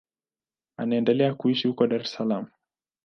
Anaendelea kuishi huko Dar es Salaam.